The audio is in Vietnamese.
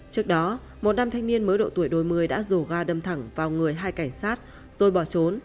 trước đó một đám thanh niên mới độ tuổi đôi mươi đã dồ ga đâm thẳng vào người hai cảnh sát rồi bỏ trốn